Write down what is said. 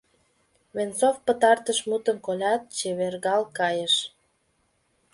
Венцов пытартыш мутым колят, чевергал кайыш.